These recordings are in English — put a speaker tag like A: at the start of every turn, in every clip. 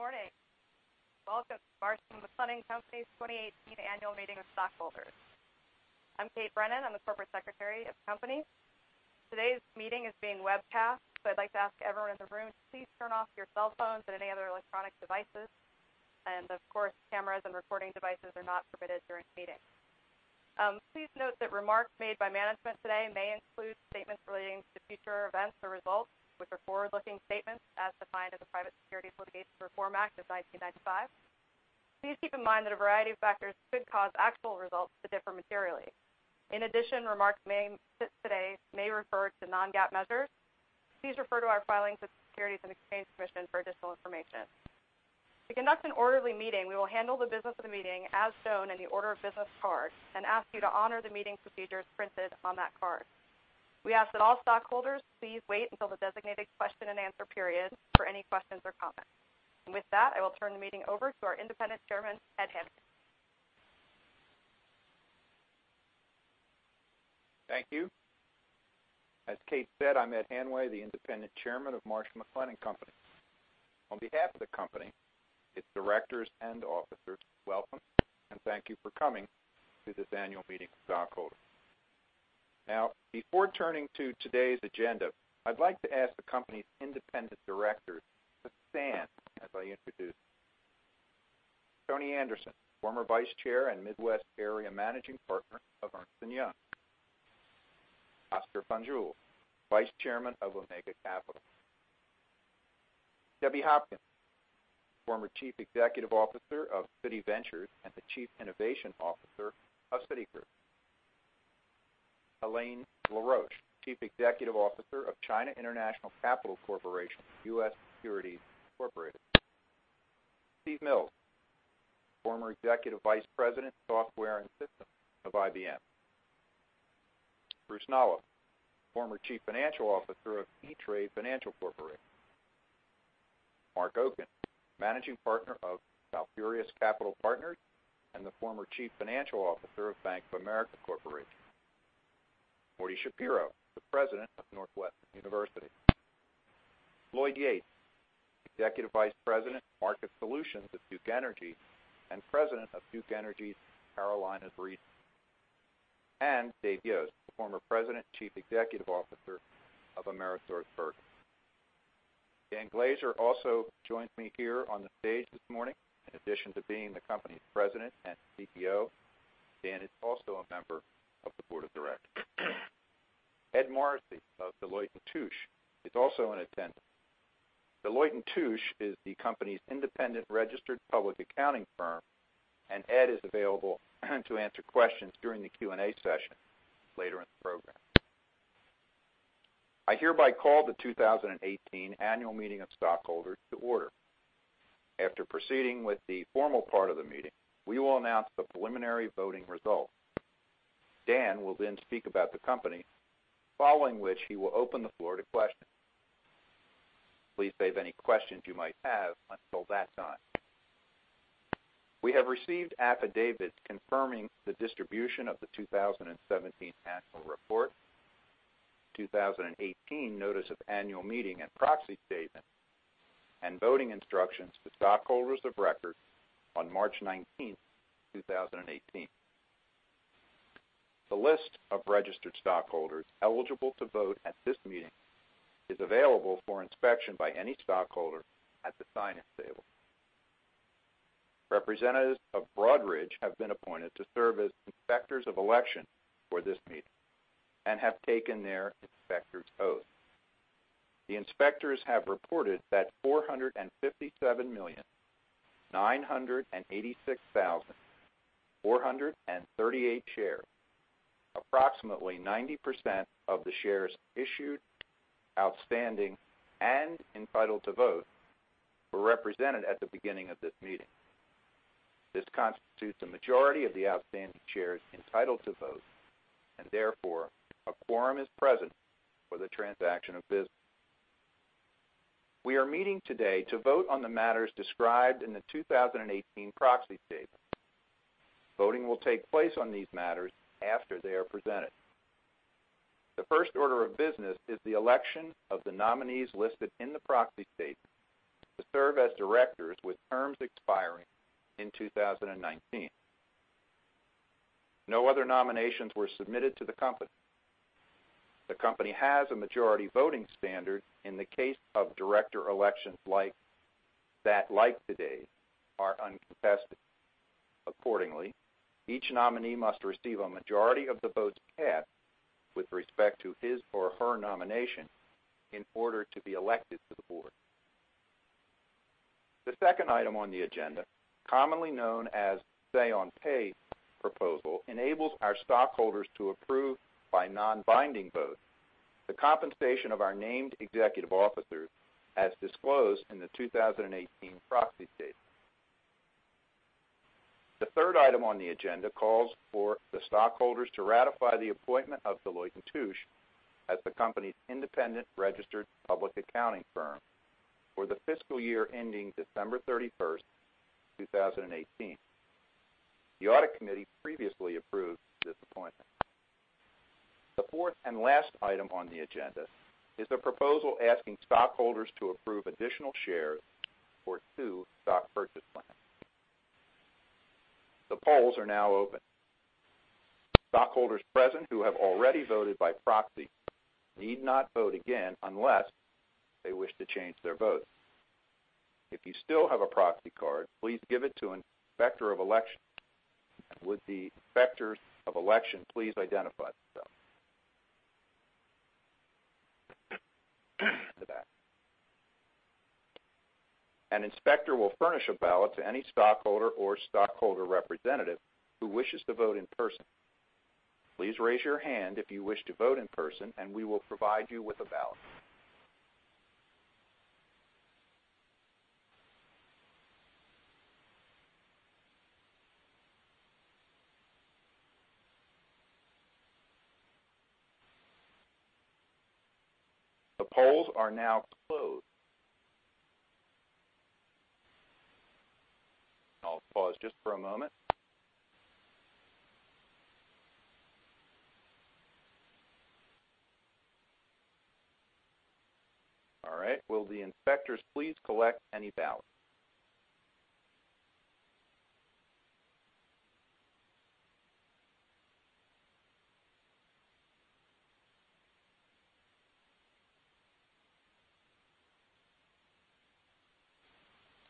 A: Good morning. Welcome to Marsh & McLennan Companies 2018 Annual Meeting of Stockholders. I'm Kate Brennan, I'm the corporate secretary of the company. Today's meeting is being webcast. I'd like to ask everyone in the room to please turn off your cell phones and any other electronic devices. Of course, cameras and recording devices are not permitted during the meeting. Please note that remarks made by management today may include statements relating to future events or results, which are forward-looking statements as defined in the Private Securities Litigation Reform Act of 1995. Please keep in mind that a variety of factors could cause actual results to differ materially. In addition, remarks made today may refer to non-GAAP measures. Please refer to our filings with the Securities and Exchange Commission for additional information. To conduct an orderly meeting, we will handle the business of the meeting as shown in the order of business card and ask you to honor the meeting procedures printed on that card. We ask that all stockholders please wait until the designated question and answer period for any questions or comments. With that, I will turn the meeting over to our independent Chairman, Ed Hanway.
B: Thank you. As Kate said, I'm Ed Hanway, the independent chairman of Marsh & McLennan Companies. On behalf of the company, its directors, and officers, welcome and thank you for coming to this annual meeting of stockholders. Before turning to today's agenda, I'd like to ask the company's independent directors to stand as I introduce them. Tony Anderson, former vice chair and Midwest area managing partner of Ernst & Young. Óscar Fanjul, vice chairman of Omega Capital. Debbie Hopkins, former chief executive officer of Citi Ventures and the chief innovation officer of Citigroup. Elaine LaRoche, chief executive officer of China International Capital Corporation, U.S. Securities Incorporated. Steve Mills, former executive vice president of software and systems of IBM. Bruce Nolop, former chief financial officer of E-Trade Financial Corporation. Marc Oken, managing partner of Falfurrias Capital Partners and the former chief financial officer of Bank of America Corporation. Morty Schapiro, the president of Northwestern University. Lloyd Yates, executive vice president of market solutions at Duke Energy and president of Duke Energy's Carolinas region. Dave Yost, former president and chief executive officer of AmerisourceBergen. Dan Glaser also joins me here on the stage this morning. In addition to being the company's president and CEO, Dan is also a member of the board of directors. Ed Morrissey of Deloitte & Touche is also in attendance. Deloitte & Touche is the company's independent registered public accounting firm, and Ed is available to answer questions during the Q&A session later in the program. I hereby call the 2018 annual meeting of stockholders to order. After proceeding with the formal part of the meeting, we will announce the preliminary voting results. Dan will speak about the company, following which he will open the floor to questions. Please save any questions you might have until that time. We have received affidavits confirming the distribution of the 2017 annual report, 2018 notice of annual meeting and proxy statement, and voting instructions to stockholders of record on March 19, 2018. The list of registered stockholders eligible to vote at this meeting is available for inspection by any stockholder at the sign-in table. Representatives of Broadridge have been appointed to serve as inspectors of election for this meeting and have taken their inspector's oath. The inspectors have reported that 457,986,438 shares, approximately 90% of the shares issued, outstanding, and entitled to vote, were represented at the beginning of this meeting. This constitutes a majority of the outstanding shares entitled to vote, and therefore, a quorum is present for the transaction of business. We are meeting today to vote on the matters described in the 2018 proxy statement. Voting will take place on these matters after they are presented. The first order of business is the election of the nominees listed in the proxy statement to serve as directors with terms expiring in 2019. No other nominations were submitted to the company. The company has a majority voting standard in the case of director elections that, like today, are uncontested. Accordingly, each nominee must receive a majority of the votes cast with respect to his or her nomination in order to be elected to the board. The second item on the agenda, commonly known as say on pay proposal, enables our stockholders to approve by non-binding vote the compensation of our named executive officers as disclosed in the 2018 proxy statement. The third item on the agenda calls for the stockholders to ratify the appointment of Deloitte & Touche as the company's independent registered public accounting firm for the fiscal year ending December 31, 2018. The audit committee previously approved this appointment. The fourth and last item on the agenda is the proposal asking stockholders to approve additional shares for two stock purchase plans. The polls are now open. Stockholders present who have already voted by proxy need not vote again unless they wish to change their vote. If you still have a proxy card, please give it to an inspector of election. Would the inspectors of election please identify themselves? An inspector will furnish a ballot to any stockholder or stockholder representative who wishes to vote in person. Please raise your hand if you wish to vote in person, and we will provide you with a ballot. The polls are now closed. I'll pause just for a moment. All right. Will the inspectors please collect any ballots?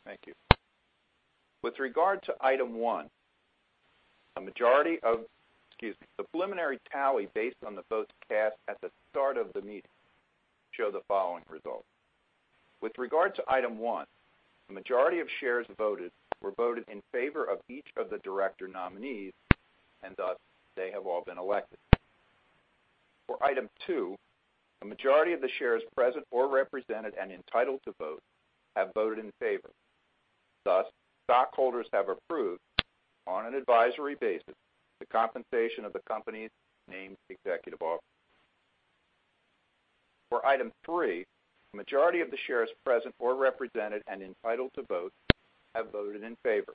B: Thank you. The preliminary tally based on the votes cast at the start of the meeting show the following results. With regard to item one, the majority of shares voted were voted in favor of each of the director nominees, and thus they have all been elected. For item two, the majority of the shares present or represented and entitled to vote have voted in favor. Thus, stockholders have approved, on an advisory basis, the compensation of the company's named executive officers. For item three, the majority of the shares present or represented and entitled to vote have voted in favor.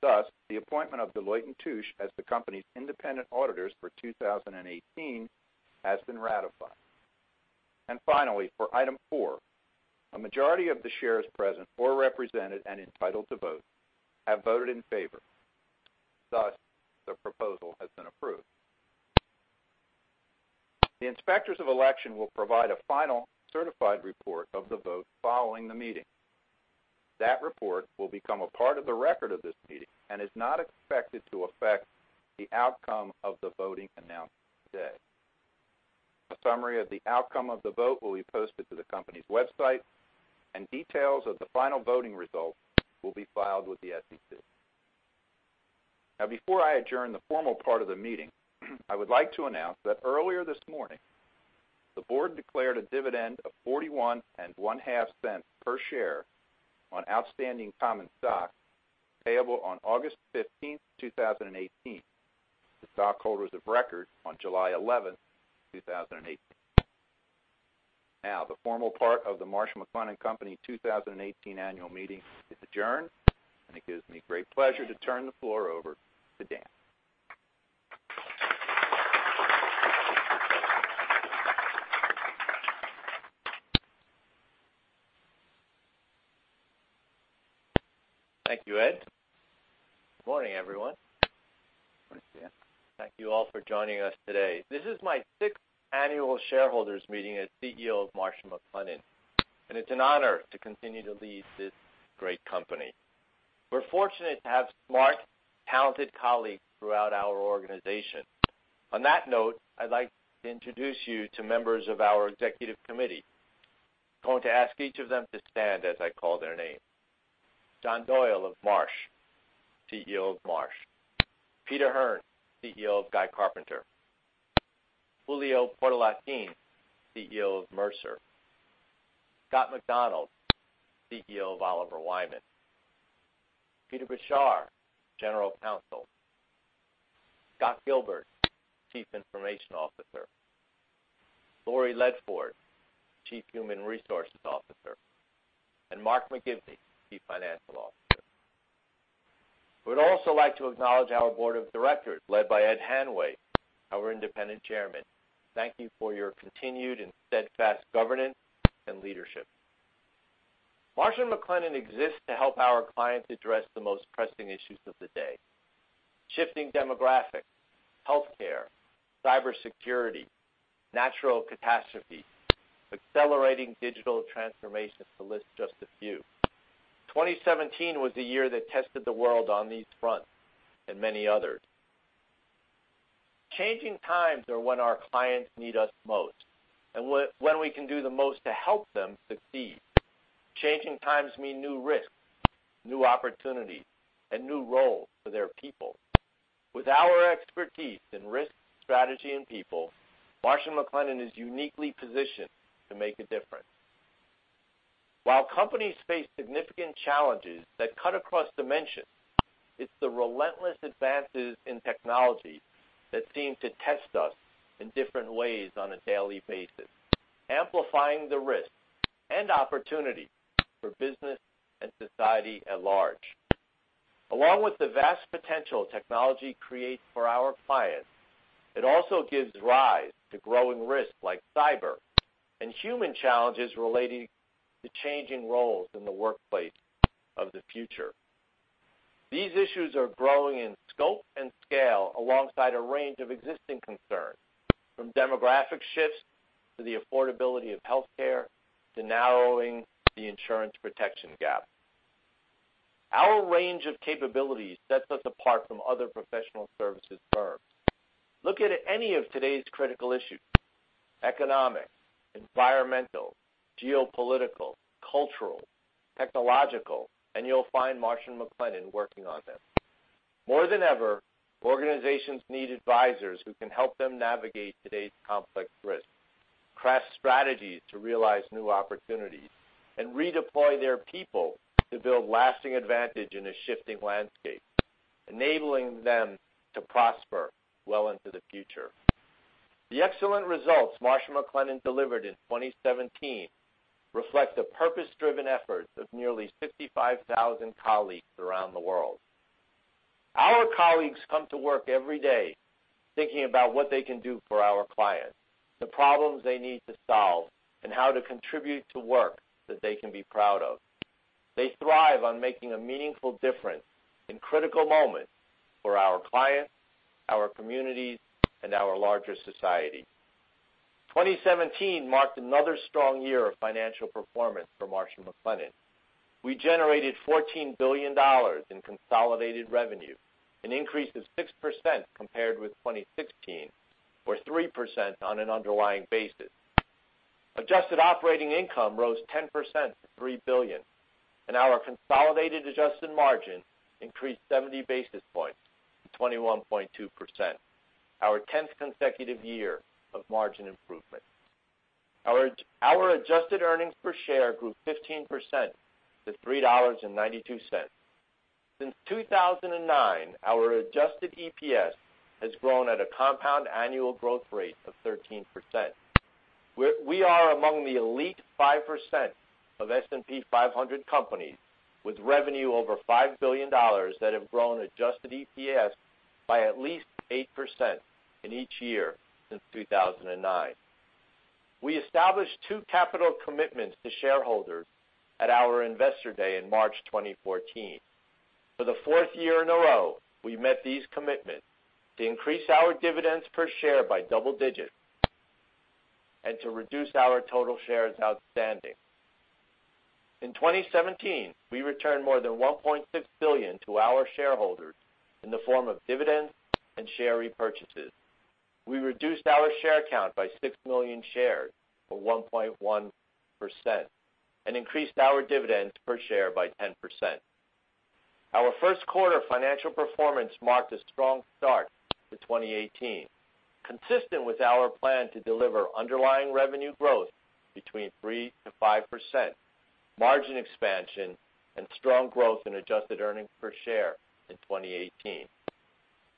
B: Thus, the appointment of Deloitte & Touche as the company's independent auditors for 2018 has been ratified. Finally, for item four, a majority of the shares present or represented and entitled to vote have voted in favor. Thus, the proposal has been approved. The inspectors of election will provide a final certified report of the vote following the meeting. That report will become a part of the record of this meeting and is not expected to affect the outcome of the voting announced today. A summary of the outcome of the vote will be posted to the company's website, and details of the final voting results will be filed with the SEC. Before I adjourn the formal part of the meeting, I would like to announce that earlier this morning, the board declared a dividend of $0.415 per share on outstanding common stock payable on August 15th, 2018 to stockholders of record on July 11th, 2018. The formal part of the Marsh & McLennan Company 2018 annual meeting is adjourned, and it gives me great pleasure to turn the floor over to Dan.
C: Thank you, Ed. Good morning, everyone.
B: Morning, Dan.
C: Thank you all for joining us today. This is my sixth annual shareholders meeting as CEO of Marsh & McLennan, and it's an honor to continue to lead this great company. We're fortunate to have smart, talented colleagues throughout our organization. On that note, I'd like to introduce you to members of our Executive Committee. Going to ask each of them to stand as I call their name. John Doyle of Marsh, CEO of Marsh. Peter Hearn, CEO of Guy Carpenter. Julio Portalatin, CEO of Mercer. Scott McDonald, CEO of Oliver Wyman. Peter Beshar, General Counsel. Scott Gilbert, Chief Information Officer. Laurie Ledford, Chief Human Resources Officer, and Mark McGivney, Chief Financial Officer. We'd also like to acknowledge our Board of Directors, led by Ed Hanway, our independent Chairman. Thank you for your continued and steadfast governance and leadership. Marsh & McLennan exists to help our clients address the most pressing issues of the day. Shifting demographics, healthcare, cybersecurity, natural catastrophes, accelerating digital transformation, to list just a few. 2017 was the year that tested the world on these fronts and many others. Changing times are when our clients need us most and when we can do the most to help them succeed. Changing times mean new risks, new opportunities, and new roles for their people. With our expertise in risk, strategy, and people, Marsh & McLennan is uniquely positioned to make a difference. While companies face significant challenges that cut across dimensions, it's the relentless advances in technology that seem to test us in different ways on a daily basis, amplifying the risk and opportunity for business and society at large. Along with the vast potential technology creates for our clients, it also gives rise to growing risks like cyber and human challenges relating to changing roles in the workplace of the future. These issues are growing in scope and scale alongside a range of existing concerns, from demographic shifts to the affordability of healthcare to narrowing the insurance protection gap. Our range of capabilities sets us apart from other professional services firms. Look at any of today's critical issues, economic, environmental, geopolitical, cultural, technological, you'll find Marsh & McLennan working on them. More than ever, organizations need advisors who can help them navigate today's complex risks, craft strategies to realize new opportunities, and redeploy their people to build lasting advantage in a shifting landscape, enabling them to prosper well into the future. The excellent results Marsh & McLennan delivered in 2017 reflect the purpose-driven efforts of nearly 55,000 colleagues around the world. Our colleagues come to work every day thinking about what they can do for our clients, the problems they need to solve, and how to contribute to work that they can be proud of. They thrive on making a meaningful difference in critical moments for our clients, our communities, and our larger society. 2017 marked another strong year of financial performance for Marsh & McLennan. We generated $14 billion in consolidated revenue, an increase of 6% compared with 2016, or 3% on an underlying basis. Adjusted operating income rose 10% to $3 billion, and our consolidated adjusted margin increased 70 basis points to 21.2%, our 10th consecutive year of margin improvement. Our adjusted earnings per share grew 15% to $3.92. Since 2009, our adjusted EPS has grown at a compound annual growth rate of 13%. We are among the elite 5% of S&P 500 companies with revenue over $5 billion that have grown adjusted EPS by at least 8% in each year since 2009. We established two capital commitments to shareholders at our Investor Day in March 2014. For the fourth year in a row, we met these commitments to increase our dividends per share by double digits and to reduce our total shares outstanding. In 2017, we returned more than $1.6 billion to our shareholders in the form of dividends and share repurchases. We reduced our share count by 6 million shares, or 1.1%, and increased our dividends per share by 10%. Our first quarter financial performance marked a strong start to 2018, consistent with our plan to deliver underlying revenue growth between 3%-5%, margin expansion, and strong growth in adjusted earnings per share in 2018.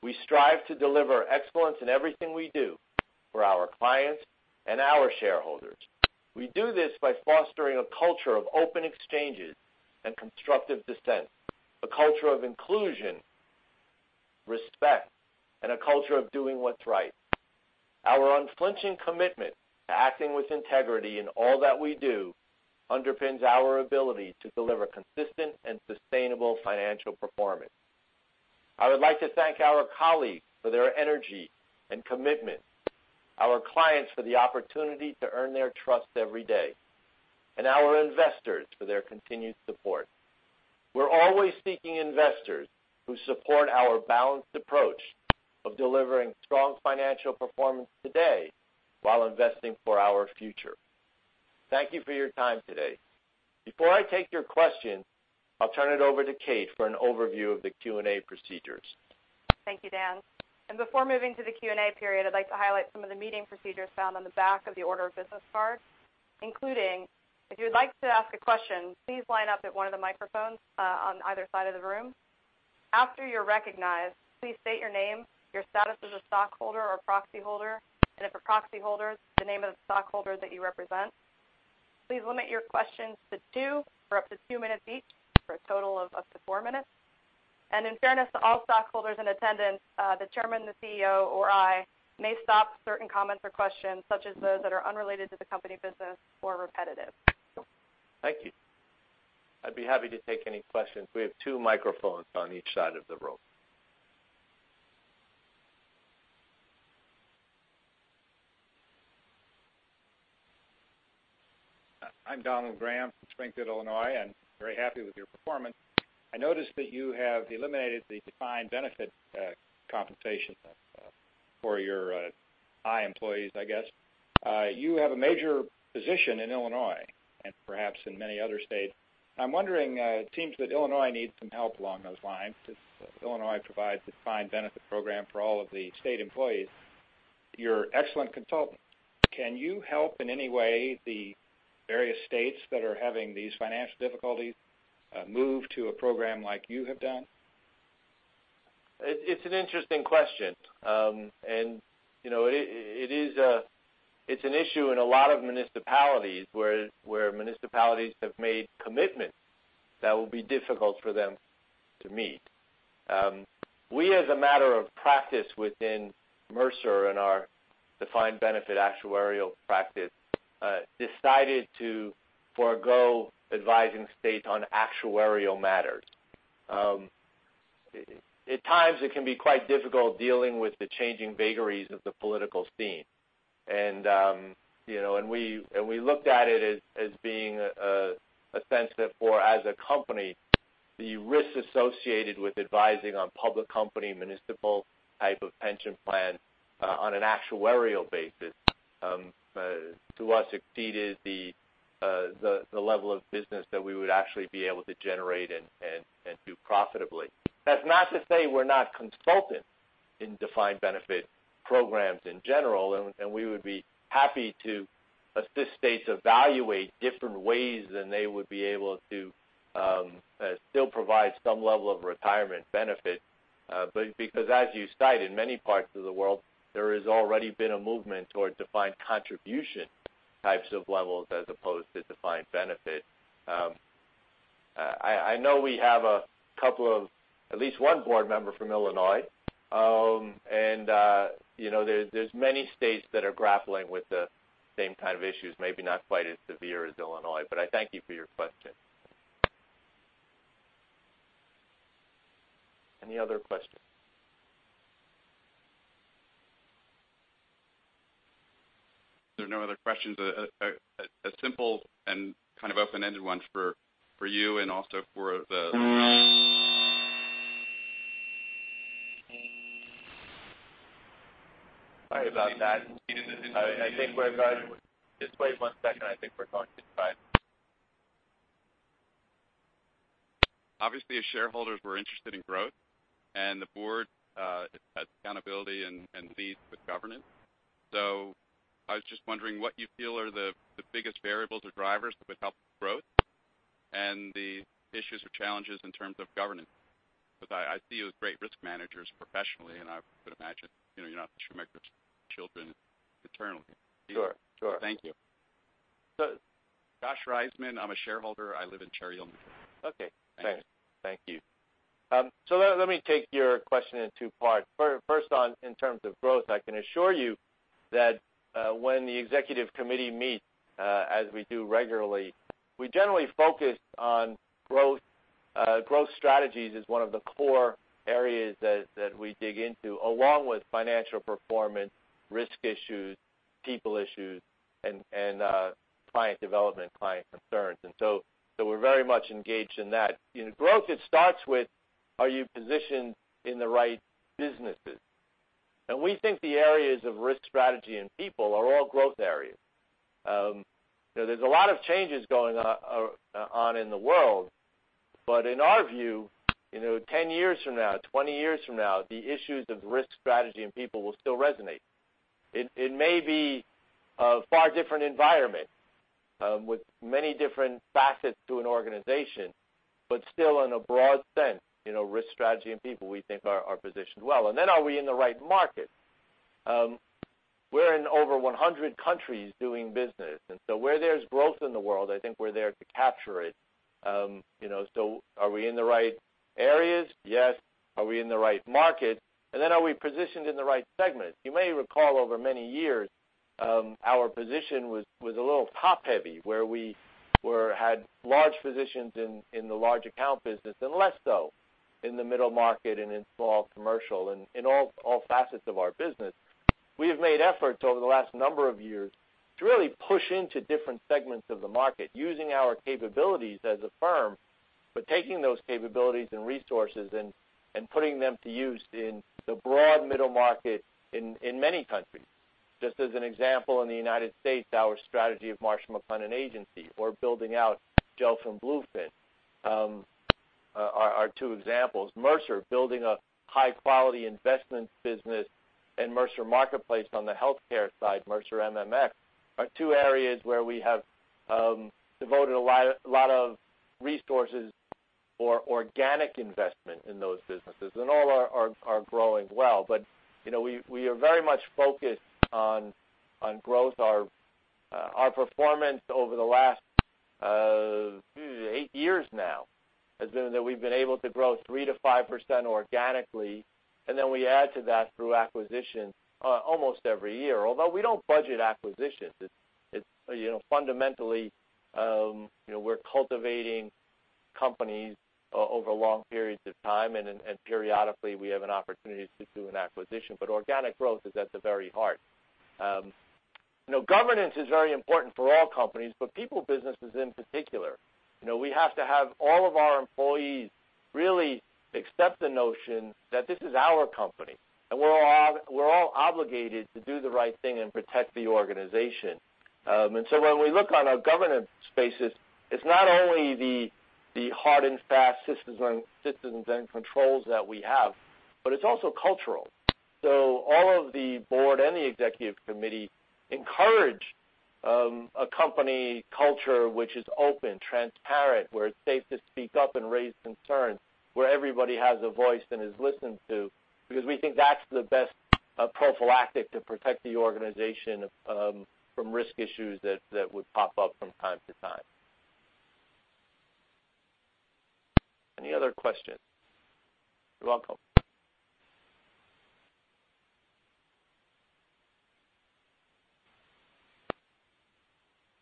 C: We strive to deliver excellence in everything we do for our clients and our shareholders. We do this by fostering a culture of open exchanges and constructive dissent, a culture of inclusion, respect, and a culture of doing what's right. Our unflinching commitment to acting with integrity in all that we do underpins our ability to deliver consistent and sustainable financial performance. I would like to thank our colleagues for their energy and commitment, our clients for the opportunity to earn their trust every day, and our investors for their continued support. We're always seeking investors who support our balanced approach of delivering strong financial performance today while investing for our future. Thank you for your time today. Before I take your questions, I'll turn it over to Kate for an overview of the Q&A procedures.
A: Thank you, Dan. Before moving to the Q&A period, I'd like to highlight some of the meeting procedures found on the back of the order of business card, including if you would like to ask a question, please line up at one of the microphones on either side of the room. After you're recognized, please state your name, your status as a stockholder or proxy holder, and if a proxy holder, the name of the stockholder that you represent. Please limit your questions to two or up to two minutes each for a total of up to four minutes. In fairness to all stockholders in attendance, the chairman, the CEO, or I may stop certain comments or questions, such as those that are unrelated to the company business or repetitive.
C: Thank you. I'd be happy to take any questions. We have two microphones on each side of the room.
D: I'm Donald Graham from Springfield, Illinois. I'm very happy with your performance. I noticed that you have eliminated the defined benefit compensation for your high employees, I guess. You have a major position in Illinois and perhaps in many other states. I'm wondering, it seems that Illinois needs some help along those lines. Illinois provides defined benefit program for all of the state employees. You're an excellent consultant. Can you help in any way the various states that are having these financial difficulties move to a program like you have done?
C: It's an interesting question. It's an issue in a lot of municipalities where municipalities have made commitments that will be difficult for them to meet. We, as a matter of practice within Mercer and our defined benefit actuarial practice, decided to forego advising states on actuarial matters. At times, it can be quite difficult dealing with the changing vagaries of the political scene. We looked at it as being a sense that for, as a company, the risks associated with advising on public company, municipal type of pension plan on an actuarial basis, to us, exceeded the level of business that we would actually be able to generate and do profitably. That's not to say we're not consultants in defined benefit programs in general. We would be happy to assist states evaluate different ways that they would be able to still provide some level of retirement benefit. As you cite, in many parts of the world, there has already been a movement towards defined contribution types of levels as opposed to defined benefit. I know we have at least one board member from Illinois. There's many states that are grappling with the same kind of issues, maybe not quite as severe as Illinois, I thank you for your question. Any other questions?
E: If there are no other questions, a simple and kind of open-ended one for you and also for the-
C: Sorry about that. Just wait one second. I think we're going to try
E: Obviously, as shareholders, we're interested in growth, and the board has accountability and leads with governance. I was just wondering what you feel are the biggest variables or drivers that would help growth and the issues or challenges in terms of governance. I see you as great risk managers professionally, and I would imagine you're not going to [make those children eternally].
C: Sure.
E: Thank you. Josh Reisman, I'm a shareholder. I live in Cherry Hill, New Jersey.
C: Okay, thanks. Thank you. Let me take your question in two parts. First on, in terms of growth, I can assure you that when the executive committee meets, as we do regularly, we generally focus on growth. Growth strategies is one of the core areas that we dig into, along with financial performance, risk issues, people issues, and client development, client concerns. We're very much engaged in that. Growth, it starts with, are you positioned in the right businesses? We think the areas of risk strategy and people are all growth areas. There's a lot of changes going on in the world. In our view, 10 years from now, 20 years from now, the issues of risk strategy and people will still resonate. It may be a far different environment with many different facets to an organization, but still in a broad sense, risk strategy and people, we think are positioned well. Are we in the right market? We're in over 100 countries doing business. Where there's growth in the world, I think we're there to capture it. Are we in the right areas? Yes. Are we in the right market? Are we positioned in the right segment? You may recall over many years, our position was a little top-heavy, where we had large positions in the large account business and less so in the middle market and in small commercial and in all facets of our business. We have made efforts over the last number of years to really push into different segments of the market using our capabilities as a firm, taking those capabilities and resources and putting them to use in the broad middle market in many countries. Just as an example, in the U.S., our strategy of Marsh McLennan Agency or building out Jelf and Bluefin are two examples. Mercer, building a high-quality investment business and Mercer Marketplace on the healthcare side, Mercer MMX, are two areas where we have devoted a lot of resources for organic investment in those businesses, and all are growing well. We are very much focused on growth. Our performance over the last eight years now has been that we've been able to grow 3%-5% organically, and then we add to that through acquisition almost every year, although we don't budget acquisitions. Fundamentally, we're cultivating companies over long periods of time, periodically we have an opportunity to do an acquisition, organic growth is at the very heart. Governance is very important for all companies, people businesses in particular. We have to have all of our employees really accept the notion that this is our company, and we're all obligated to do the right thing and protect the organization. When we look on our governance spaces, it's not only the hard and fast systems and controls that we have, it's also cultural. All of the board and the executive committee encourage a company culture which is open, transparent, where it's safe to speak up and raise concerns, where everybody has a voice and is listened to, because we think that's the best prophylactic to protect the organization from risk issues that would pop up from time to time. Any other questions? You're welcome.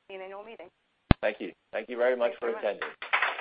A: Annual meeting.
C: Thank you. Thank you very much for attending.